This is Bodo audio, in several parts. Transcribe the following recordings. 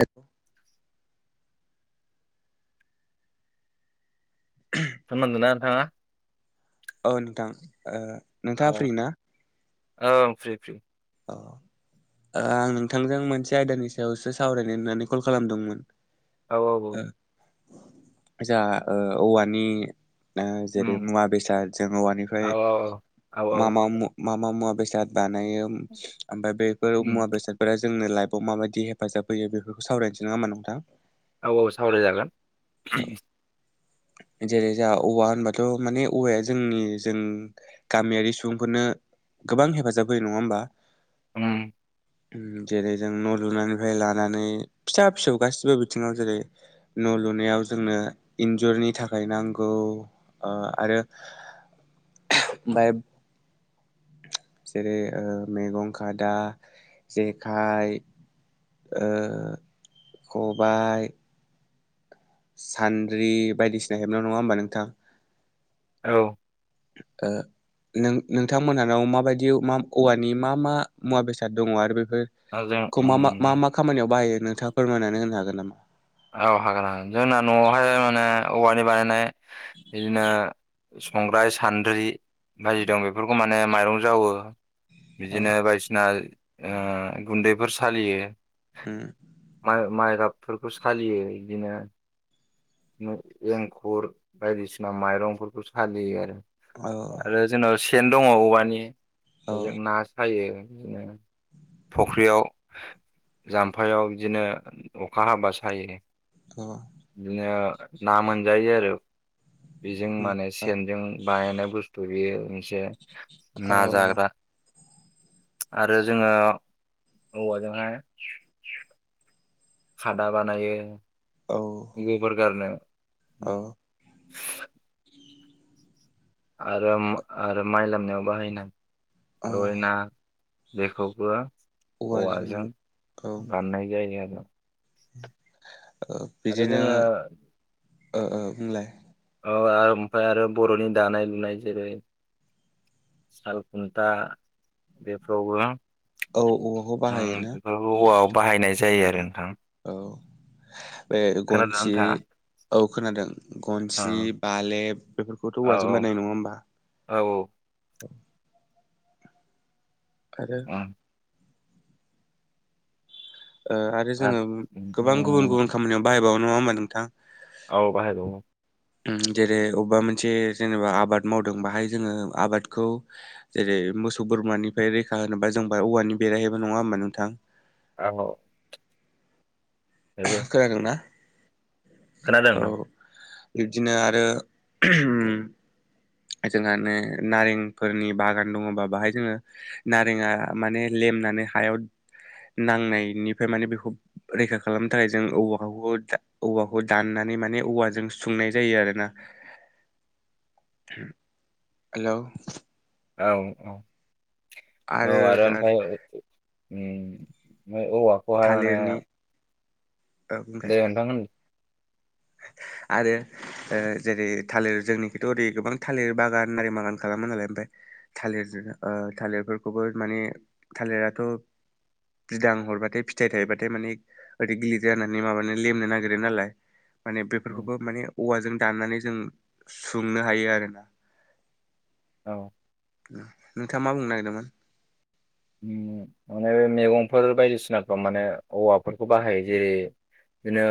हेल' खोनादोना नोंथांआ? औ नोंथां ओ। नोंथाङा औ फ्रि ना औ फ्रि फ्रि। अ आं नोंथांजों मोनसे आयदानि सायावसो सावरायनो होननानै कल खालामदोंमोन। औ औ। आसा ओ औवानि ओ जेरै उम मुवा बेसाद जों औवानिफ्राय औ औ मा औ मा मा मुवा बेसाद बानाय ओमफ्राय बेफोर उम मुवा बेसादफोरा जोंनो माबायदि हेफाजाब होयो बेफोरखौ सावरायनोसै नामा नोंथां? औ औ सावरायजागोन। [inaudible] जेरै जों औवा होनबाथ' माने औवाया जोंनि जों गामियारि सुबुंफोरनो गोबां हेफाजाब होयो नङा होमबा? ओम। जेरै जों न लुनायनिफ्राय लानानै फिसा फिसौ गासिबो बिथिङाव जेरै न लुनायाव जोंनो इन्जुरनि थाखाय नांगौ आरो ओहो आमफ्राय [inaudible] जेरै ओ मैगं खादा, जेखाइ ओ खबाय सान्द्रि बायदिसिना हेबनायाव नङा होमबा नोंथां? औ। आ नों नोंथांमोनहानाव माबायदि औवानि मा मा मुवा बेसाद दङ आरो ब बे औ जों मा मा उम मा खामानियाव बाहायो नोंथाङा फोरमायनानै होनो हागोन नामा? औ हागोन हागोन जोंना नआवहाय माने औवानि बानायनाय बिदिनो संग्राइ, सान्द्रि बायदि दं बेफोरखौ माने माइरं जावो। अ बिदिनो बायदिसिना ओ गुन्दैफोर सालियो उम माइ गाबफोरखौ सालियो। बिदिनो बिदि एंखुर बायदिसिना माइरंफोरखौ सालियो आरो। औ आरो जोंनाव सेन दङ औवानि औ बेजों ना सायो। बिदिनो फुख्रियाव जामफायाव बिदिनो अखा हाबासो सायो औ बिदिनो ना मोनजायो आरो। बेजों उम माने औ सेनजों बानायनाय बुस्थु बेयो मोनसे औ ना जाग्रा [inaudible] आरो जोङो औवाजोंहाय खादा बानायो। औ बेगर गारनो औ आरो आरो माइ लामनायाव बाहायनाय ओ रयना बेखौबो औवाजों औ बाननाय जायो आरो। [inaudible] आरो बिदिनो जोङो ओ ओ बुंलाय। औ ओमफ्राय आरो बरनि दानाय लुनाय जेरै साल खुन्था बेफोरावबो औ औवाखौ बाहायोना बे औवायाव बाहायनाय जायो आरो नोंथां। औ बे खोनादोंना गनसि नोंथाङा? औ खोनादों औ गनसि बालेब बेफोरखौथ औ औवाजों बायनाय नङा होमबा? औ। [inaudible] आरो उम ओ आरो जोङो गोबां गुबुन गुबुन खामानियाव बाहायबावो नङा होमबा नोंथां? औ बाहाय बावो । जेरै अबबा मोनसे जेनेबा आबाद मावदों बाहाय जोङो आबादखौ जेरै मोसौ बोरमानिफ्राय रैखा होनोबा जेनबा औवानि बेरायहैबो नङा होमबा नोंथां? औ औ । खोनादोंना? खोनादों नोंथां औ बिबदिनो आरो जोंहानो नारेंफोरनि बागान दङबा बाहाय जोङो नारेंआ माने लेम नानै हायाव नांनायनिफ्राय माने बेखौ रैखा खालामनो थाखाय जों औवा औवाखौ दानना नै माने औवाजों सुंनाय जायो आरोना । हेलौ औ औ औ आरो ओमफ्राय ओम म औवाखौ'हाय माने थालिरनि ओमफ्राय दे नोंथां होन । [inaudible] आरो ओ जेरै थालिर जोंनिखथ' ओरै गोबां थालिर बागान आरि बागान खालामो नालाय ओ ओमफ्राय थालिर ओ थालिरफोरखौबो माने थालिराथ' बिदां हरबाथाय फिथाइ थायोबाथाय माने ओरै गिलिर जानानै माबानानै लेमनो नागिरो नालाय माने बेफोरखौबो माने औवाजों दाननानै जों सुंनो हायो आरो ना । औ । नोंथाङा मा बुंनो नागिरदोंमोन? ओम माने बे मैगंफोर बायदिसिना माने औवाफोरखौ बाहायो जेरै बिदिनो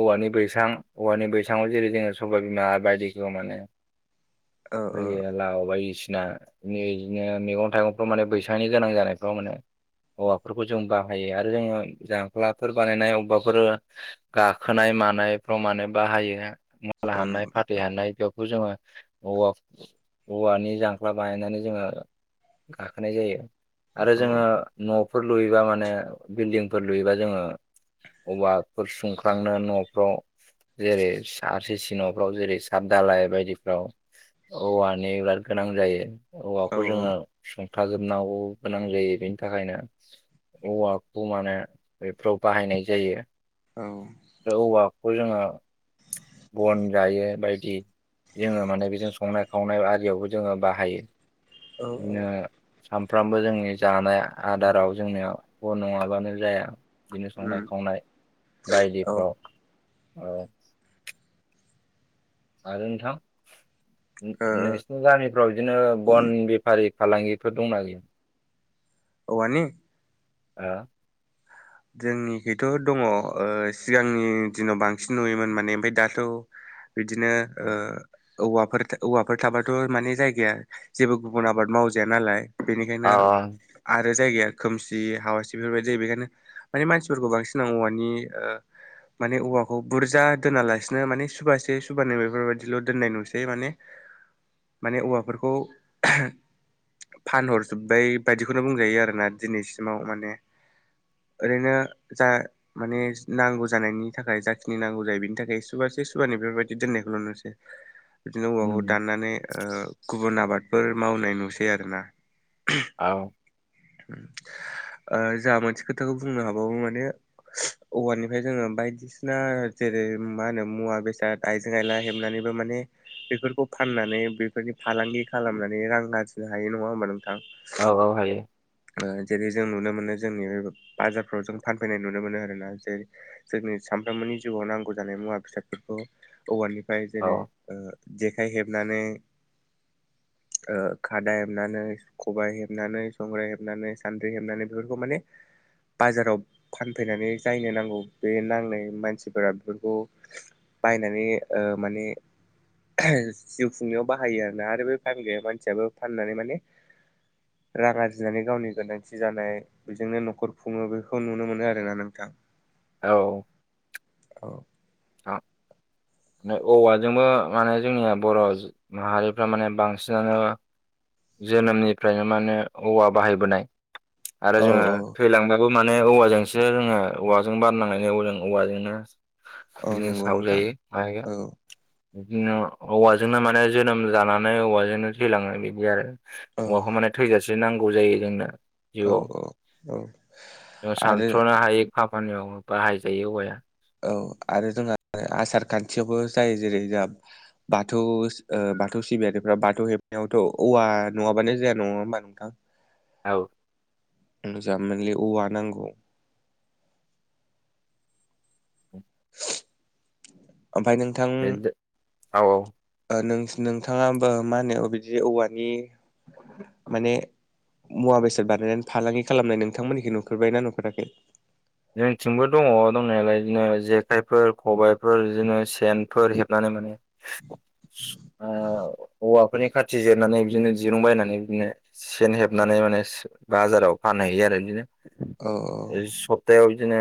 औवानि बैसां औवानि बैसाङाव जेरै जोङो सइबा बिमा बायदिखौ मोनो । औ औ फैयो लाव बायदिसिना बिदिनो मैगं थाइगंफोर माने बैसांनि गोनां जानायफ्राव मोनो औवाफोरखौ जों बाहायो आरो जोङो जाख्लाफोर बानायनाय अबेबाफोर गाखोनायाव मानायफ्राव माने बाहायो मुला औ हानाय नंगौ फाथै नोंथां हानाय बेखौ जोङो औ औवानि जांख्ला बानायनानै जोङो गाखोनाय जायो आरो औ जोङो न' फोरफोर लुयोबा माने बिल्डिंफोर लुयोबा जोङो अबाफोर सुंख्रांनो न'फ्राव जेरै सासि सि न'फ्राव जेरै सात दालाय बायदिफ्राव औवानि बिराद गोनां जायो औ औवाखौ जोङो संथाजोबनांगौ गोनां जायो बेनि थाखायनो औवाखौ माने बेफ्राव बाहायनाय जायो । औ । बे खौ जोङो बन जायो बायदि जोङो माने बेजों संनाय खावनाय आरियावबो जोङो बाहायो । औ बिदिनो औ सामफ्राम सोमबो जोंनि जानाय आदाराव जोंनि बे नङाबानो जाया । बिदिनो संनाय उम खावनाय औ बायदिफ्राव ओ आरो नोंथां ओ नोंसिनि गामिफ्राव बिदिनो बन बेफारि फालांगिफोर दंना गैया? औवानि? ओ । जोंनिखैथ' दङ ओ सिगांनि दिनाव बांसिन नुयोमोन माने ओमफ्राय दाथ' बिदिनो ओ औवाफोर औवाफोर थाबाथ' माने जायगाया जेबो गुबुन आबाद मावजाया नालाय अ बेनिखायनो आरो जायगाया खोमसि हावासि बेफोरबायदि बेखायनो मानि मानसिफोरखौ बांसिन औवानि ओ माने औवाखौ बुरजा दोनालासिनो माने सुबबासे सुबबानैल बेफोरबायदिल' दोननाय नुसै माने माने औवाफोरखौ। फानहरजोब्बाय बायदिखौनो बुंजायो आरोना दिनैसिमाव माने। ओरैनो जा माने नांगौ जानायनि थाखाय जाखिनि नांगौ जायो बेनि थाखाय सुबबासे सुबा। नै बेबायदि दोननायखौ नुनोमोनसै। बिदिनो औवाखौ उम दाननानै गुबुन आबादफोर मावनाय नुसै आरोना औ। जोहा मोनसे खोथाखौ बुंनो हाबावो माने। औवानिफ्राय जोङो बायदिसिना जेरै मा होनो मुवा बेसाद आइजें आइला हेबनानै। माने बेफोरखौ फाननानै बेफोरनि फालांगि खालामनानै रां आरजिनो हायो नङा होनबा नोंथां। औ औ हायो। जेरै जों नुनो मोनो जोंनि बे बाजारफ्राव जों फानफैनाय नुनो मोनो आरोना ज जों। सानफ्रामबोनि जिउआव नांगौ जानाय मुवा बेसादफोरखौ औवानिफ्राय जेरै औ ओ जेखाइ हेबनानै ओ खादा हेबनानै खबायाइ हेबनानै संग्राय हेब हेबनानै सान्द्रि हेबनानै बेफोरखौ माने बाजाराव फानफैनानै जायनो नांगौ बे नांनाय मानसिफोरा बेफोरखौ बायनानै ओ माने जिउ खुंनायाव बाहायो आरोना आरो बे फानग्राया मानसियाबो फाननानै माने रां आर जिनानै गावनि गोनांथि जानाय बेजोंनो न'खर खुङो बेखौ नुनो मोनो आरोना नोंथां औ औ अ बे औवाजोंबो माने जोंनिया बर' माहारिफ्रा माने बांसिनानो जोनोमनिफ्रायनो माने औवा बाहायबोनाय आरो औ जोङो औ थैलांगबानो बो माने औवाजोंसो जोङो औवाजों बारनांनो औाजों औवाजोंनो औ बि नंगौ साव नोंथां जायो मायो औ बिदिनो औवाजोंनो माने जोनोम जानानै औवाजोंनो थैलाङो बिदि आरो औ हौवाखौ माने थैजासे नांगौ जायो जोंनो औ जिउआव औ औ जों आरो सानथ्र'नो हायि खामानियाव बाहायजायो औवाया औ आरो जोंहा आसार खान्थियावबो जायो जेरै जों बाथौ ओ बाथौ सिबियारिफ्रा बाथौ हेबनायावथ' औवा नङाबानो जाया नङा होमबा नोंथां औ मोजां मोनलै औवा नांगौ ओमफ्राय नोंथां बे औ औ ओ नोंथाङा मा होनो बिदि औवानि माने मुवा बेसाद बानायनानै फालांगि खालामनाय नोंथांमोननिखौ नुफेरबाय ना नुफेराखै जोंनिथिंबो दङ दंनायालाय बिदिनो जेखाइफोर खबायफोर बिदिनो सेनफोर हेबनानै माने आ औवा फोरनि खाथि जिरनानै बिदिनो दिरुं बायनानै बिदिनो सेन हेबनानै माने बाजाराव फानहैयो आरो बिदिनो औ औ औ बिदिनो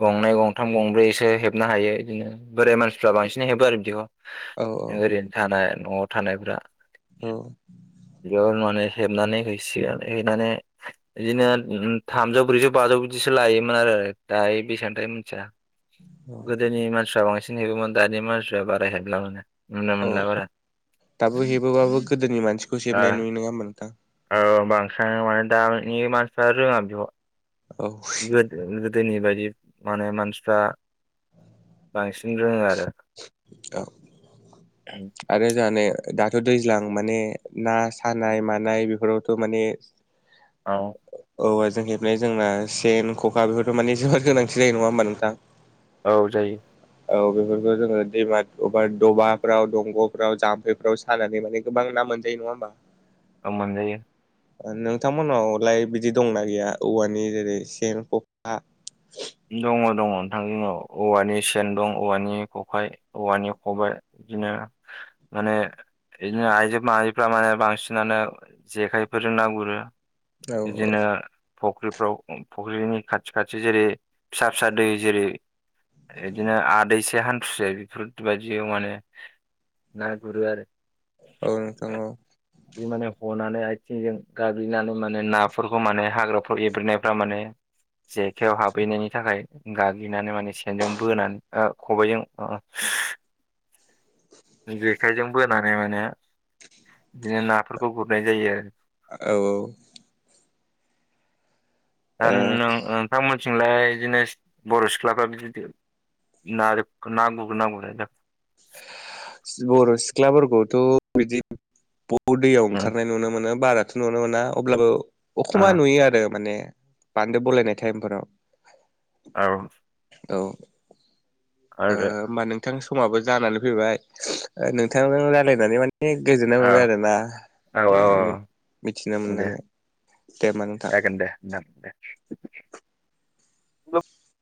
गंनै गंथाम गंब्रैसो हेबनो हायो बिदिनो बोराइ मानसिफ्रा बांसिनै हेबो आरो बिदिखौ औ ओरैनो थानाय न'आव थानायफ्रा औ बेयाव माने हेबनानै हैसिगोन हैनानै बिदिनो थामजौ ब्रैजौ बाजौ बिदिसो लायोमोन आरो दायो बेसेबां लायो मिथिया औ गोदोनि मानसिफ्रा बांसिन हेबोमोन दानि मानसिफ्रा बारा हेबला नुनो औ मोनला बारा दाबो हेबोबाबो गोदोनि मानसिखौ ओ हेबनाय नुयो नङा मोनथां औ बांसिनानो माने दानि मानसिफ्रा रोङाथ' औ गोदो गोदोनि बायदि माने मानसिफ्रा बांसिन रोङो आरो औ आरो जाने दाथ' दैज्लां माने ना सानाय मानाय बेफोरावथ' माने औ। औवाजों हेबनाय जोंना सेन खखा बेफोरथ' माने जोबोद गोनांथि जायो नङा होमबा नोंथां। औ जायो। औ बेफोरखौ जोङो दैमा अबा दबाफ्राव दंग'फ्राव जाम्फैफ्राव सानानै माने गोबां ना मो मोनजायो नङाहोमबा। औ मोनजायो। ओ नोंथांमोनावलाय बिदि दंना गैया औवानि जेरै सेन खखा? दङ दङ नोंथां जोंनाव औवानि सेन दं औवानि खखाइ औवानि खबाइ। बिदिनो माने बिदिनो आइजो माहारिफ्रा माने बांसिनानो जेखाइफोरजों ना गुरो। औ। फख्रिफ्राव फख्रिनि खाथि खाथि जेरै फिसा फिसा दै जेरै बिदिनो आदैसे हान्थुसे बेफोरबायदियाव माने ना गुरो आरो औ नोंथां औ बे माने हनानै थिंजों गाब्लिनानै माने नाफोरखौ माने हाग्राफोर एब्रेनायफ्रा माने जेखायाव हाब फैनायनि थाखाय गाग्लिनानै माने सेनजों बोनानै खबायजों ओ, जेखाइजों बोनानै माने बिदिनो नाफोरखौ गुरनाय जायो आरो। औ ओ दा नोंथांमोनथिंलाय बिदिनो बर' सिख्लाफ्रा बि नारोफ ना गुरगोना गुरा जाखो? बर' सिख्लाफोरखौथ' बिदि औ दैयाव औ ओंखारनाय नुनो मोनो बाराथ' नुनो मोना अब्लाबो अखमा नुयो आरो माने बान्दो बलायनाय टाइमफोराव औ। औ, ओ, औ होमबा नों नोंथां समाबो जानानै फैबाय नोंथांजों रायालायनानै मा ए गोजोननाय मोनबाय आरोना औ म मिथिनो औ दे मोननानै। दे होमबा नोंथां जागोन नोंथां दे दे।